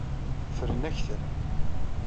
Ffren-ak-ten.